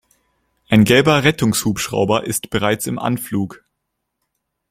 Ein gelber Rettungshubschrauber ist bereits im Anflug.